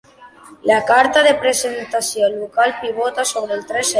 La carta de presentació local pivota sobre tres eixos.